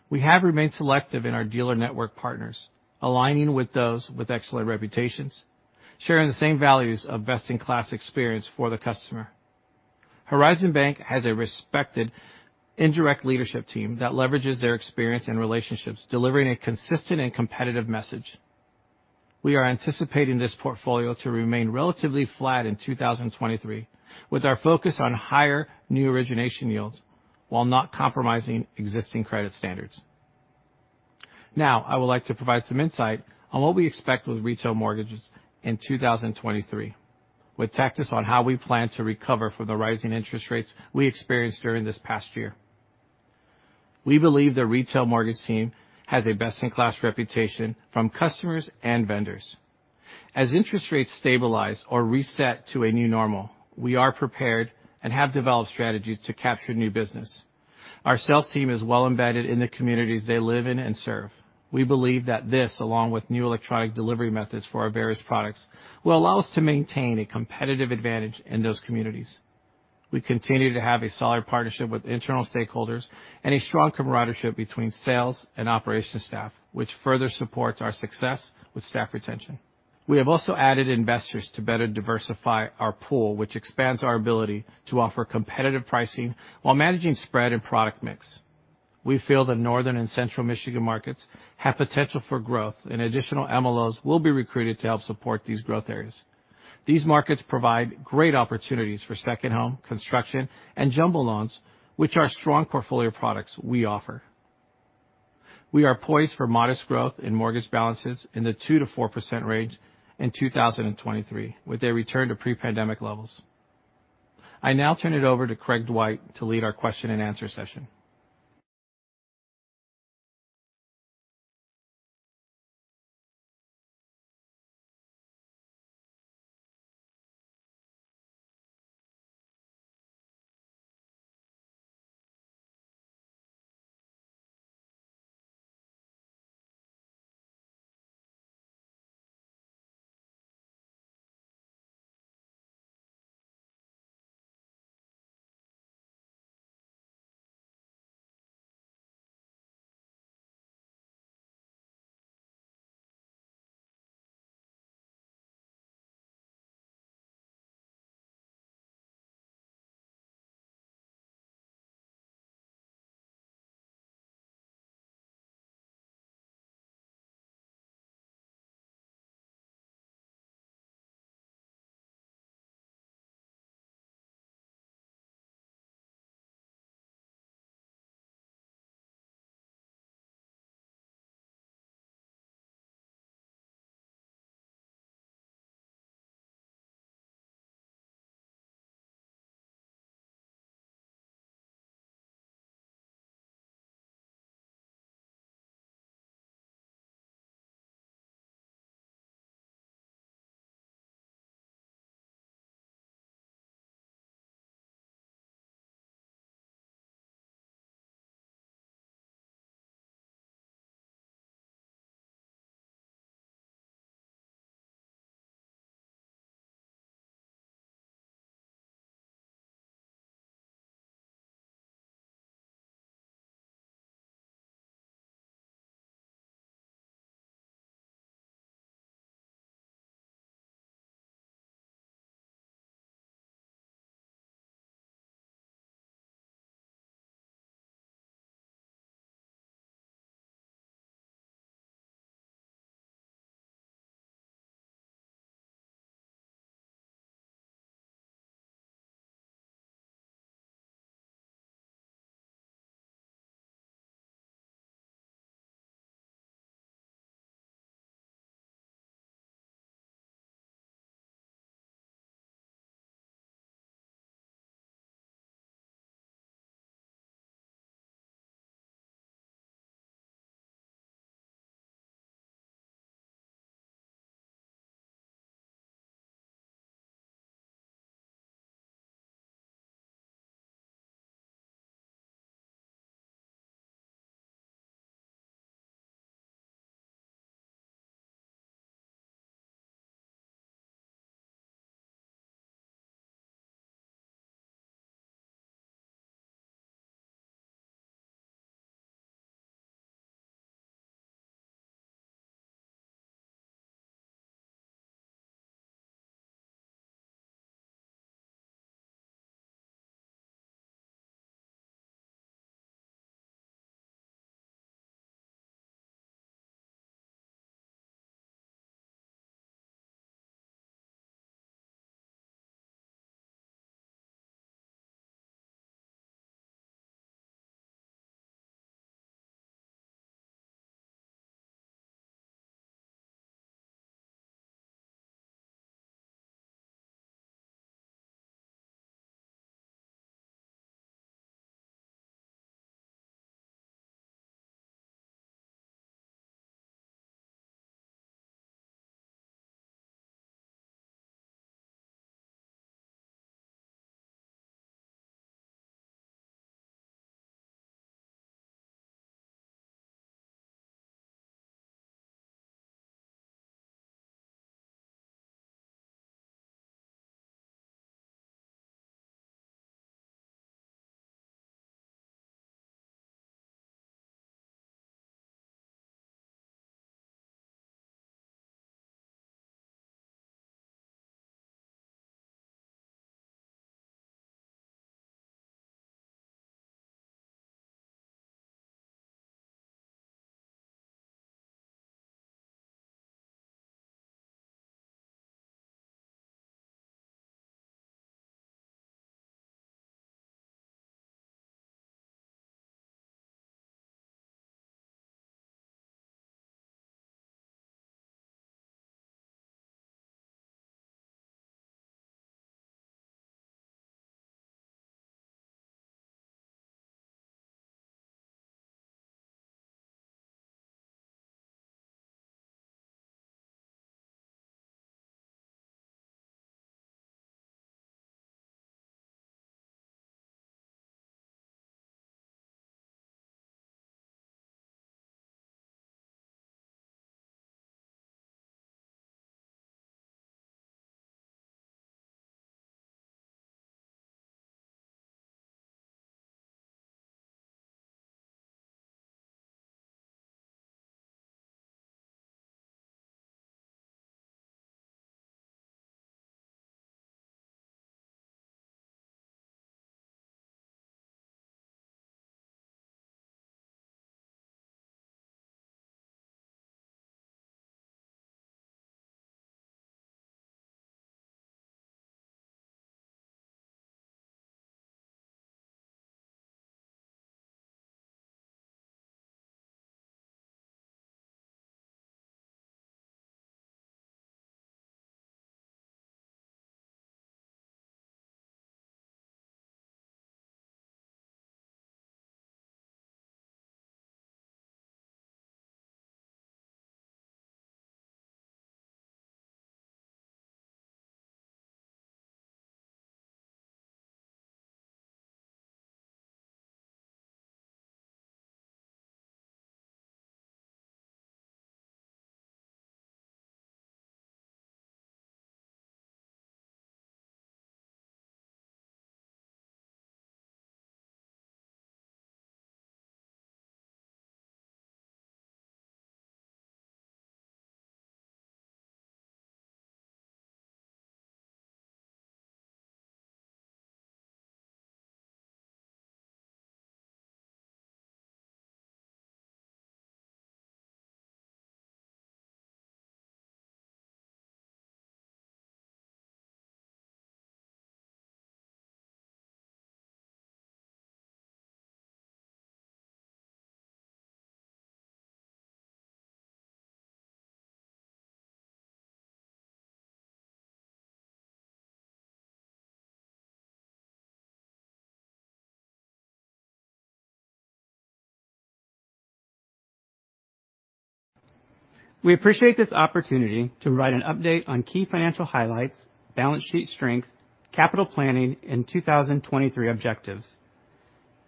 We have remained selective in our dealer network partners, aligning with those with excellent reputations, sharing the same values of best-in-class experience for the customer. Horizon Bank has a respected indirect leadership team that leverages their experience and relationships, delivering a consistent and competitive message. We are anticipating this portfolio to remain relatively flat in 2023, with our focus on higher new origination yields while not compromising existing credit standards. I would like to provide some insight on what we expect with retail mortgages in 2023, with tactics on how we plan to recover from the rising interest rates we experienced during this past year. We believe the retail mortgage team has a best-in-class reputation from customers and vendors. As interest rates stabilize or reset to a new normal, we are prepared and have developed strategies to capture new business. Our sales team is well embedded in the communities they live in and serve. We believe that this, along with new electronic delivery methods for our various products, will allow us to maintain a competitive advantage in those communities. We continue to have a solid partnership with internal stakeholders and a strong camaraderie between sales and operations staff, which further supports our success with staff retention. We have also added investors to better diversify our pool, which expands our ability to offer competitive pricing while managing spread and product mix. We feel the Northern and Central Michigan markets have potential for growth. Additional MLOs will be recruited to help support these growth areas. These markets provide great opportunities for second home, construction, and jumbo loans, which are strong portfolio products we offer. We are poised for modest growth in mortgage balances in the 2%-4% range in 2023, with a return to pre-pandemic levels. I now turn it over to Craig Dwight to lead our question and answer session. We appreciate this opportunity to provide an update on key financial highlights, balance sheet strength, capital planning and 2023 objectives.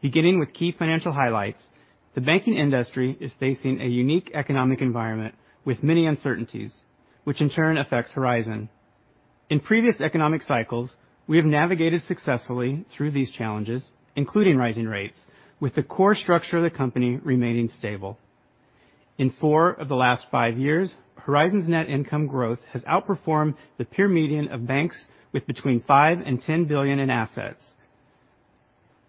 Beginning with key financial highlights, the banking industry is facing a unique economic environment with many uncertainties, which in turn affects Horizon. In previous economic cycles, we have navigated successfully through these challenges, including rising rates, with the core structure of the company remaining stable. In four years of the last five years, Horizon's net income growth has outperformed the peer median of banks with between $5 billion and $10 billion in assets.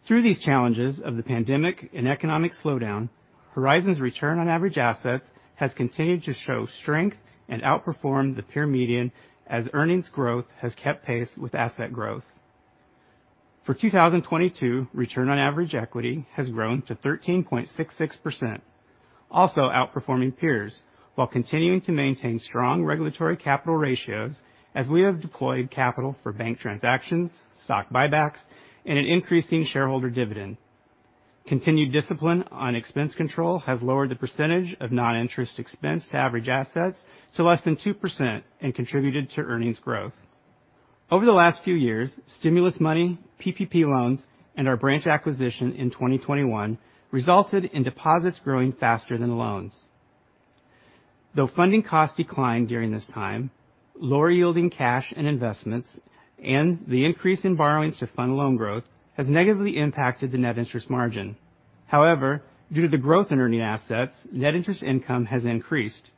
Through these challenges of the pandemic and economic slowdown, Horizon's return on average assets has continued to show strength and outperform the peer median as earnings growth has kept pace with asset growth. For 2022, return on average equity has grown to 13.66%, also outperforming peers while continuing to maintain strong regulatory capital ratios as we have deployed capital for bank transactions, stock buybacks and an increasing shareholder dividend. Continued discipline on expense control has lowered the percentage of non-interest expense to average assets to less than 2% and contributed to earnings growth. Over the last few years, stimulus money, PPP loans, and our branch acquisition in 2021 resulted in deposits growing faster than loans. Though funding costs declined during this time, lower yielding cash and investments and the increase in borrowings to fund loan growth has negatively impacted the net interest margin. However, due to the growth in earning assets, net interest income has increased.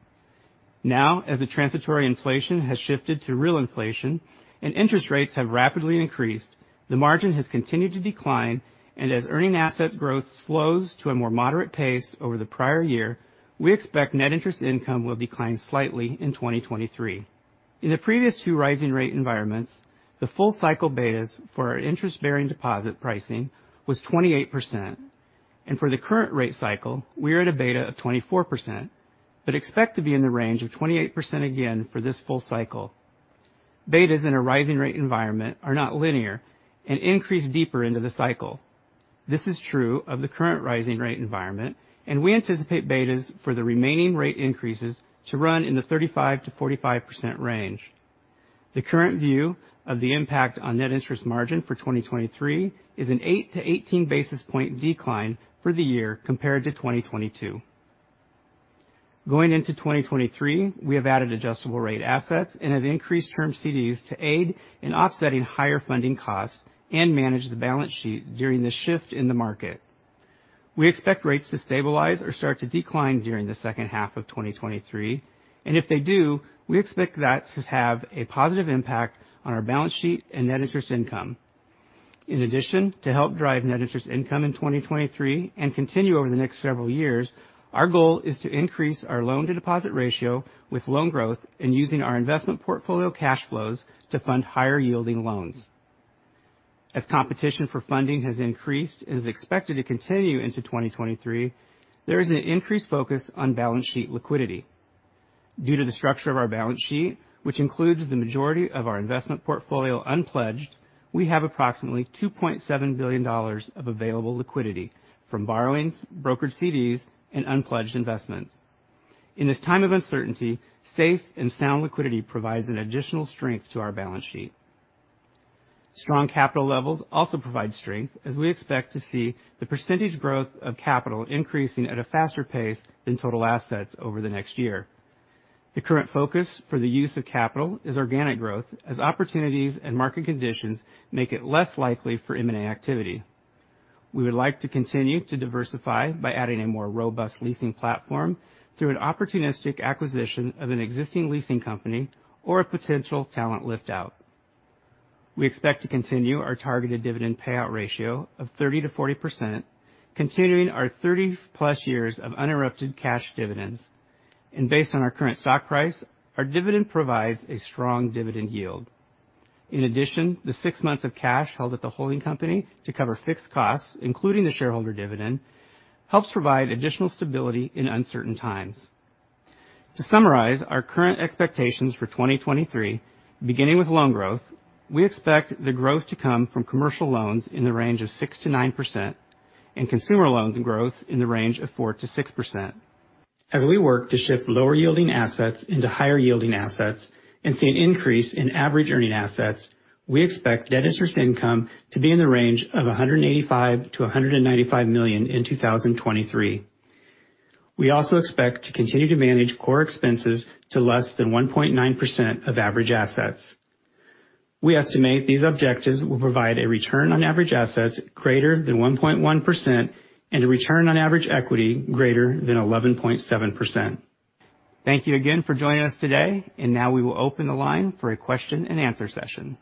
As the transitory inflation has shifted to real inflation and interest rates have rapidly increased, the margin has continued to decline. As earning asset growth slows to a more moderate pace over the prior year, we expect net interest income will decline slightly in 2023. In the previous two rising rate environments, the full cycle betas for our interest-bearing deposit pricing was 28%. For the current rate cycle, we are at a beta of 24%, but expect to be in the range of 28% again for this full cycle. Betas in a rising rate environment are not linear and increase deeper into the cycle. This is true of the current rising rate environment, and we anticipate betas for the remaining rate increases to run in the 35%-45% range. The current view of the impact on net interest margin for 2023 is an 8 basis point-18 basis point decline for the year compared to 2022. Going into 2023, we have added adjustable rate assets and have increased term CDs to aid in offsetting higher funding costs and manage the balance sheet during the shift in the market. We expect rates to stabilize or start to decline during the H2 of 2023. If they do, we expect that to have a positive impact on our balance sheet and net interest income. In addition to help drive net interest income in 2023 and continue over the next several years, our goal is to increase our loan to deposit ratio with loan growth and using our investment portfolio cash flows to fund higher yielding loans. As competition for funding has increased and is expected to continue into 2023, there is an increased focus on balance sheet liquidity. Due to the structure of our balance sheet, which includes the majority of our investment portfolio unpledged, we have approximately $2.7 billion of available liquidity from borrowings, brokered CDs and unpledged investments. In this time of uncertainty, safe and sound liquidity provides an additional strength to our balance sheet. Strong capital levels also provide strength as we expect to see the percentage growth of capital increasing at a faster pace than total assets over the next year. The current focus for the use of capital is organic growth as opportunities and market conditions make it less likely for M&A activity. We would like to continue to diversify by adding a more robust leasing platform through an opportunistic acquisition of an existing leasing company or a potential talent lift out. We expect to continue our targeted dividend payout ratio of 30%-40%, continuing our 30+ years of uninterrupted cash dividends. Based on our current stock price, our dividend provides a strong dividend yield. In addition, the six months of cash held at the holding company to cover fixed costs, including the shareholder dividend, helps provide additional stability in uncertain times. To summarize our current expectations for 2023, beginning with loan growth, we expect the growth to come from commercial loans in the range of 6%-9% and consumer loans growth in the range of 4%-6%. As we work to shift lower yielding assets into higher yielding assets and see an increase in average earning assets, we expect net interest income to be in the range of $185 million-$195 million in 2023. We also expect to continue to manage core expenses to less than 1.9% of average assets. We estimate these objectives will provide a return on average assets greater than 1.1% and a return on average equity greater than 11.7%. Thank you again for joining us today. Now we will open the line for a question and answer session.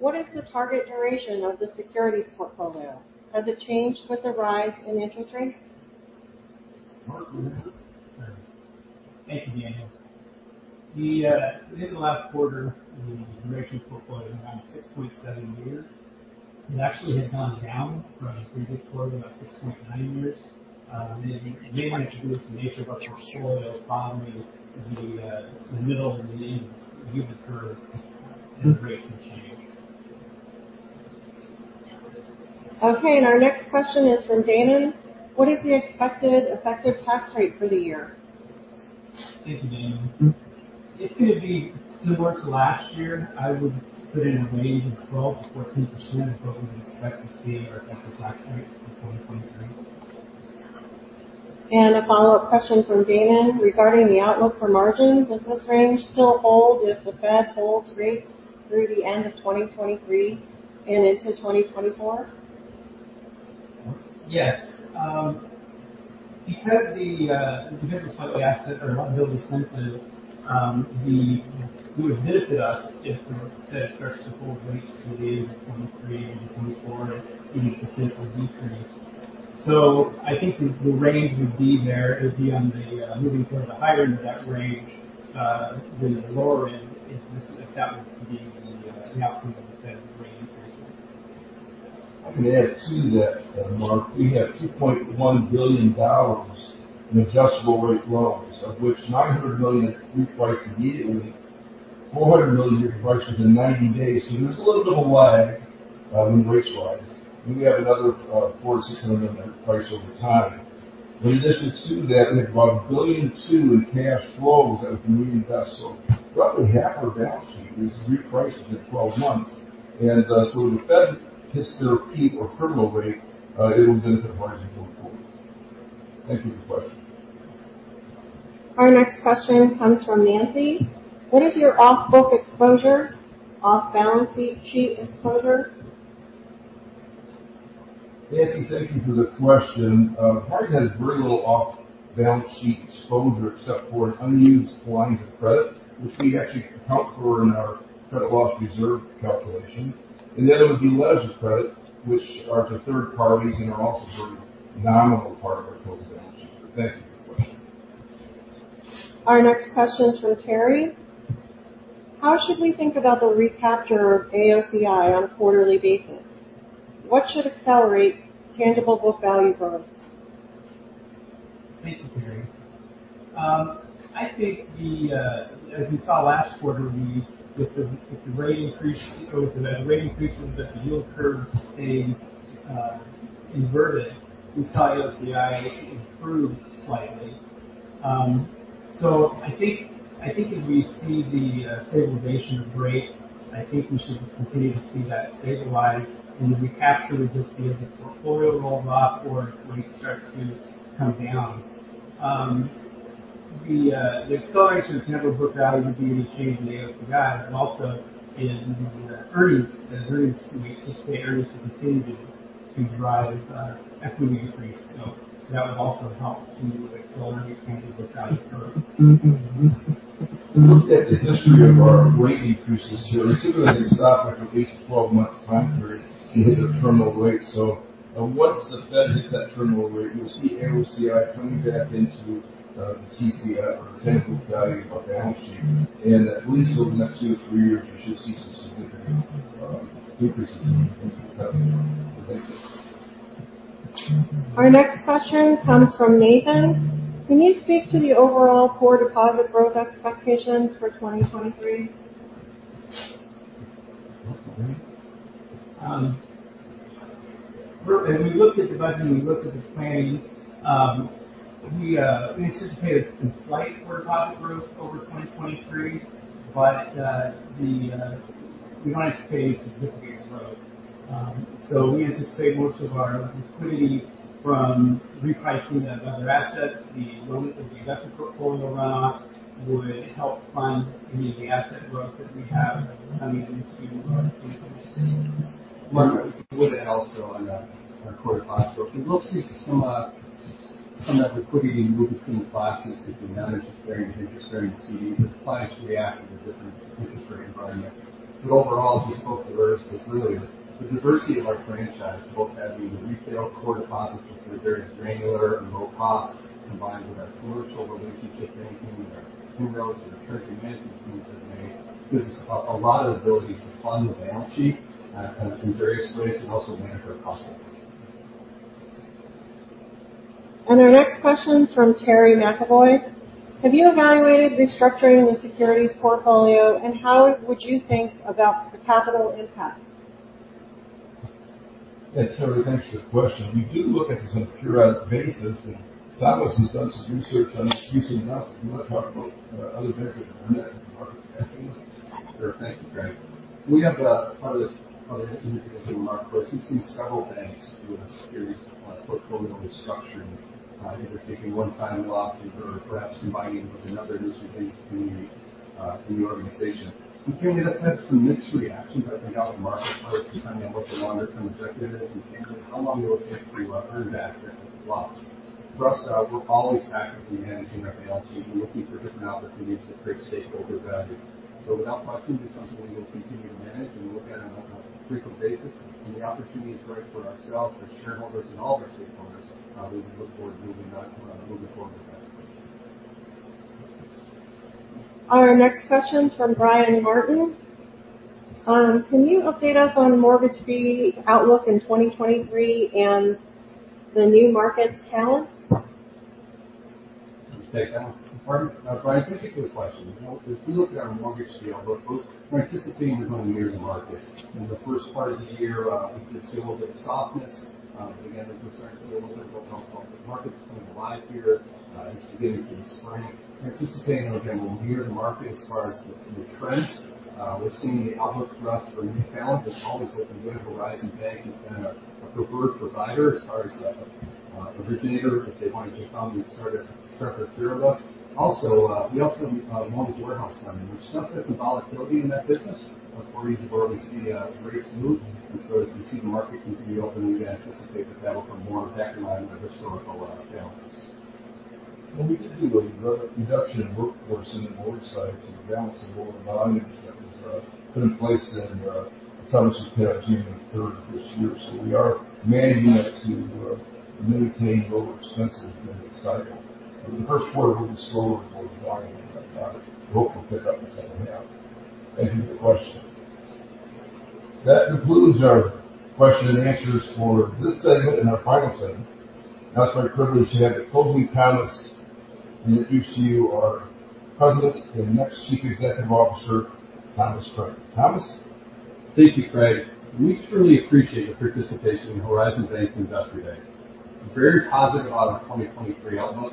What is the target duration of the securities portfolio? Has it changed with the rise in interest rates? Mark, do you want to take that? Thank you, Daniel. The, within the last quarter, the duration portfolio around 6.7 years. It actually has gone down from the previous quarter, about 6.9 years. Mainly attributed to the nature of our portfolio falling in the middle of the yield curve as rates have changed. Okay. Our next question is from Damon: What is the expected effective tax rate for the year? Thank you, Damon. It's going to be similar to last year. I would put it in a range of 12%-14% is what we would expect to see our effective tax rate for 2023. A follow-up question from Damon regarding the outlook for margin. Does this range still hold if the Fed holds rates through the end of 2023 and into 2024? Yes. because we're slightly asset or liability sensitive, it would benefit us if the Fed starts to hold rates through the end of 2023 into 2024 any potential decrease. I think the range would be there. It would be on the moving toward the higher end of that range than the lower end if that was to be the outcome of the Fed rate increases. I can add to that, Mark. We have $2.1 billion in adjustable rate loans, of which $900 million is reprice immediately. $400 million years of prices in 90 days. There's a little bit of a lag when rates rise. We have another $400 million-$600 million price over time. In addition to that, we have about $1.2 billion in cash flows that was the medium test. Roughly 1/2 our balance sheet is repriced within 12 months. When the Fed hits their peak or terminal rate, it'll benefit margin going forward. Thank you for the question. Our next question comes from Nancy. What is your off-book exposure, off-balance sheet exposure? Nancy, thank you for the question. Horizon has very little off-balance sheet exposure except for an unused line of credit, which we actually account for in our credit loss reserve calculation. It would be letters of credit, which are to third parties and are also a very nominal part of our total balance sheet. Thank you for the question. Our next question is from Terry. How should we think about the recapture of AOCI on a quarterly basis? What should accelerate tangible book value growth? Thank you, Terry. I think the, as you saw last quarter, with the, with the rate increase over the rate increases, but the yield curve stayed inverted, we saw AOCI improve slightly. I think as we see the stabilization of rates, I think we should continue to see that stabilize, and the recapture would just be as the portfolio rolls off or when it starts to come down. The, the acceleration of tangible book value would be any change in the AOCI, but also in the earnings. The earnings we expect earnings to continue to drive equity increase. That would also help to accelerate tangible book value growth. If we look at the history of our rate increases here, we typically stop at least a 12 months time period to hit a terminal rate. Once the Fed hits that terminal rate, you'll see AOCI coming back into the TCR or tangible value of our balance sheet. At least over the next 2 years-3 years, you should see some significant increases in tangible value. Thank you. Our next question comes from Nathan. Can you speak to the overall core deposit growth expectations for 2023? As we looked at the budget and we looked at the planning, we anticipated some slight core deposit growth over 2023. We don't anticipate any significant growth. We anticipate most of our liquidity from repricing of other assets. The loans that the investor portfolio run off would help fund any of the asset growth that we have coming into our. Mark, with also on the, on core deposit growth. We will see some of that liquidity move between classes because managers are paying interest during CD because clients react in a different interest rate environment. Overall, as we spoke to versus earlier, the diversity of our franchise, both having the retail core deposit, which is very granular and low cost, combined with our commercial relationship banking and our inroads into the church and ministry space have made, gives us a lot of ability to fund the balance sheet, kind of in various ways and also manage our costs. Our next question is from Terry McEvoy. Have you evaluated restructuring the securities portfolio, and how would you think about the capital impact? Hey, Terry. Thanks for the question. We do look at this on a periodic basis, and Thomas has done some research on this recently. Do you want to talk about other banks that have done that as part of the testing? Sure. Thank you, Craig. We have part of the interesting remark, of course, we've seen several banks do a series of portfolio restructuring, either taking one-time losses or perhaps combining with another institution bank to create a new organization. Clearly, that's had some mixed reactions, I think, out in the marketplace, depending on what the long-term objective is and how long it'll take to earn back that loss. For us, we're always actively managing our balance sheet and looking for different opportunities to create stakeholder value. Without prompting, this is something we will continue to manage and look at on a frequent basis. When the opportunity is right for ourselves, our shareholders and all of our stakeholders, we would look forward to moving forward with that. Our next question is from Brian Martin. Can you update us on mortgage fee outlook in 2023 and the new market talents? Can you take that one? Brian. Brian, thank you for the question. As we look at our mortgage deal, we're anticipating a normal year in the market. In the first part of the year, we did see a little bit of softness. Again, we're starting to see a little bit more comfort level. The market's coming alive here, just beginning through the spring. Anticipating, again, a normal year in the market as far as the trends. We're seeing the outlook for us remain valid. As always with the good Horizon Bank has been a preferred provider as far as originators. If they want to do a loan, they start their fear of us. Also, we also mortgage warehouse lending, which does have some volatility in that business where you broadly see rates move. As we see the market continue opening, we anticipate that that'll come more back in line with historical balances. We did do a reduction in workforce in the mortgage side. The balance of loan volume that was put in place in December 23rd of this year. We are managing it to mitigate overextensive in this cycle. The first quarter will be slower before we wind down. We hope we'll pick up in the second H2. Thank you for the question. That concludes our question and answers for this segment and our final segment. Now it's my privilege to have the closing comments and introduce to you our President and next Chief Executive Officer, Thomas M. Prame. Thomas. Thank you, Craig. We truly appreciate your participation in Horizon Bank's Investor Day. We're very positive about our 2023 outlook.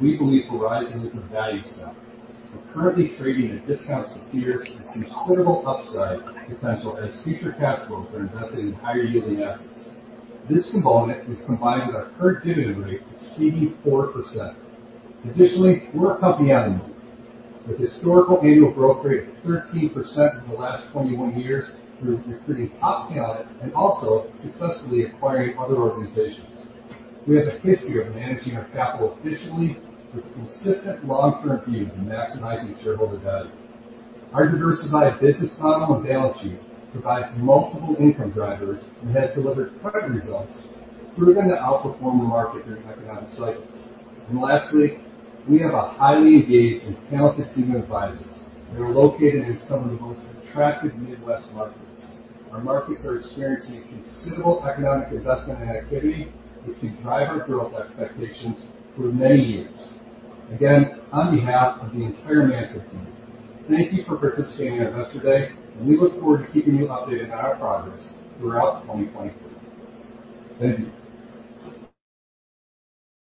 We believe Horizon is a value stock. We're currently trading at discounts with peers with considerable upside potential as future cash flows are invested in higher yielding assets. This component is combined with our current dividend rate exceeding 4%. Additionally, we're a company on the move. With historical annual growth rate of 13% over the last 21 years through recruiting top talent and also successfully acquiring other organizations. We have a history of managing our capital efficiently with a consistent long-term view of maximizing shareholder value. Our diversified business model and balance sheet provides multiple income drivers and has delivered current results, proving to outperform the market during economic cycles. Lastly, we have a highly engaged and talented team of advisors that are located in some of the most attractive Midwest markets. Our markets are experiencing considerable economic investment and activity, which can drive our growth expectations for many years. On behalf of the entire management team, thank you for participating in Investor Day, and we look forward to keeping you updated on our progress throughout 2023. Thank you.